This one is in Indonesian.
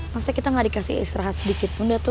pasti kita gak dikasih istirahat sedikit pun datu